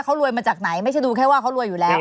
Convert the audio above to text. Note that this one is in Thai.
เขารวยมาจากไหนไม่ใช่ดูแค่ว่าเขารวยอยู่แล้ว